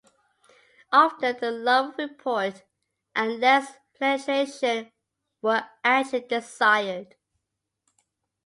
Often the lower report, and less penetration were actually desired.